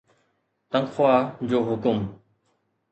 تنخواه جو حڪم